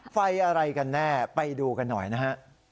ไฟอะไรกันแน่ไปดูกันหน่อยนะฮะ